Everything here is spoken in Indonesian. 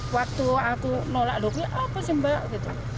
waktu aku nolak dulu ya apa sih mbak gitu